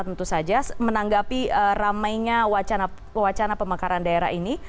tentu saja menanggapi ramainya wacana pemekaran daerah ini